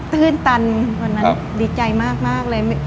ตื่นตันวันนั้นดีใจมากเลย